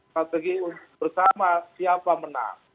strategi bersama siapa menang